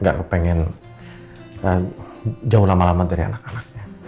gak pengen jauh lama lama dari anak anaknya